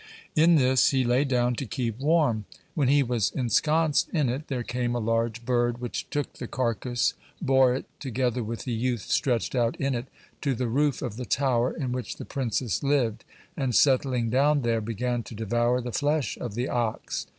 In this he lay down to keep warm. When he was ensconced in it, there came a large bird, which took the carcass, bore it, together with the youth stretched out in it, to the roof of the tower in which the princess lived, and, settling down there, began to devour the flesh of the ox.